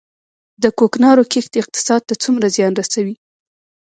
د کوکنارو کښت اقتصاد ته څومره زیان رسوي؟